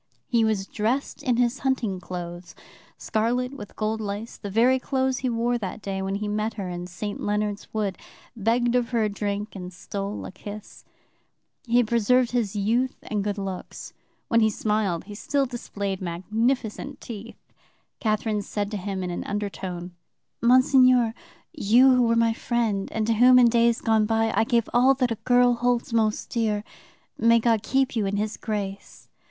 He was dressed in his hunting clothes, scarlet with gold lace, the very clothes he wore that day when he met her in St. Leonard's Wood, begged of her a drink, and stole a kiss. He had preserved his youth and good looks. When he smiled, he still displayed magnificent teeth. Catherine said to him in an undertone: "'Monseigneur, you who were my friend, and to whom in days gone by I gave all that a girl holds most dear, may God keep you in His grace!